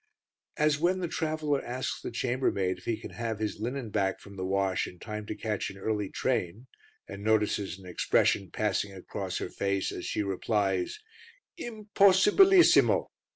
As when the traveller asks the chambermaid if he can have his linen back from the wash in time to catch an early train, and notices an expression passing across her face as she replies, "Impossibilissimo!"